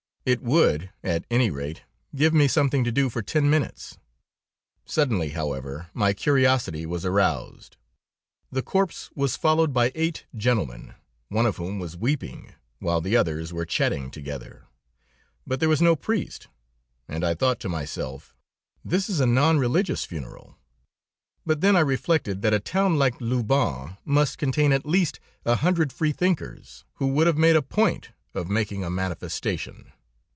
It would, at any rate, give me something to do for ten minutes. Suddenly, however, my curiosity was aroused. The corpse was followed by eight gentlemen, one of whom was weeping, while the others were chatting together, but there was no priest, and I thought to myself: "This is a non religious funeral," but then I reflected that a town like Loubain must contain at least a hundred free thinkers, who would have made a point of making a manifestation.